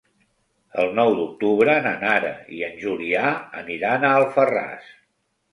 El nou d'octubre na Nara i en Julià aniran a Alfarràs.